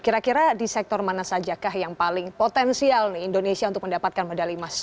kira kira di sektor mana saja kah yang paling potensial nih indonesia untuk mendapatkan medali emas